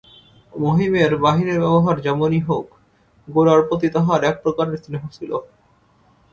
মহিমের বাহিরের ব্যবহার যেমনি হউক, গোরার প্রতি তাঁহার এক প্রকারের স্নেহ ছিল।